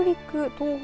東北